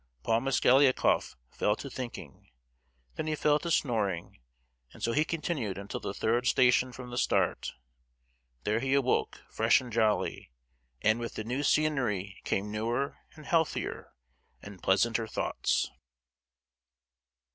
Paul Mosgliakoff fell to thinking, then he fell to snoring, and so he continued until the third station from the start; there he awoke fresh and jolly, and with the new scenery came newer, and healthier, and pleasanter thoughts.